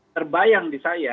terbayang di saya